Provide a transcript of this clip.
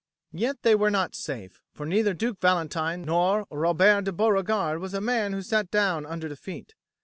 Yet they were not safe; for neither Duke Valentine nor Robert de Beauregard was a man who sat down under defeat.